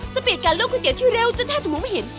สเปียดการลวกก๋วยเตี๋ยวที่เร็วจนแทบถูกมองไม่เห็น